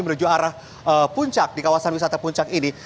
menuju arah puncak di kawasan wisata puncak ini